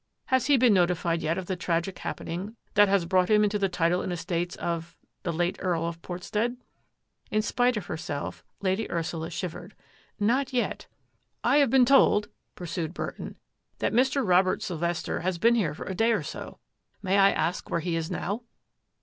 Has he been notified yet of the tragic happening that has brought him into the title and estates of — the late Earl of Portstead? " In spite of herself. Lady Ursula shivered. " Not yet." " I have been told," pursued Burton, " that Mr. Robert Sylvester has been here for a day or so. May I ask where he is now